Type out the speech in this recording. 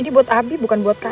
ini buat abi bukan buat kami